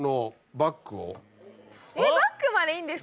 バッグまでいいんですか？